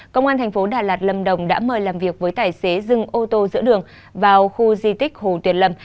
công an thành phố đà lạt lâm đồng đã mời làm việc với tài xế dừng ô tô giữa đường vào khu di tích hồ tuyền lâm